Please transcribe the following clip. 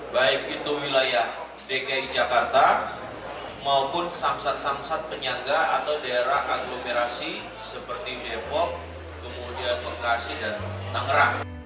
baik itu wilayah dki jakarta maupun samsat samsat penyangga atau daerah aglomerasi seperti depok kemudian bekasi dan tangerang